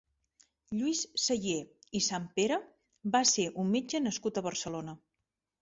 Lluís Sayé i Sempere va ser un metge nascut a Barcelona.